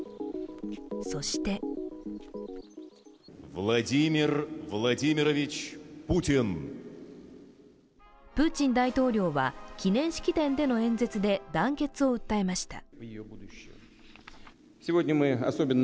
そしてプーチン大統領は、記念式典での演説で団結を訴えました。